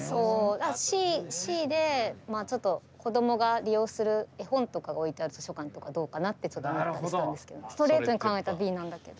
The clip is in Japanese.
「Ｃ」で子どもが利用する絵本とかが置いてある図書館とかどうかなってちょっと思ったりしたんですけどストレートに考えたら「Ｂ」なんだけど。